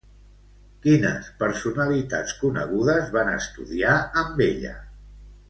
Quines personalitats conegudes van estudiar amb ella?